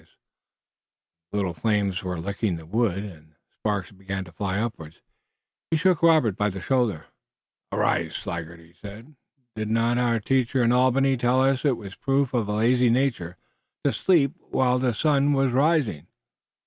When the little flames were licking the wood, and the sparks began to fly upwards, he shook Robert by the shoulder. "Arise, sluggard," he said. "Did not our teacher in Albany tell us it was proof of a lazy nature to sleep while the sun was rising?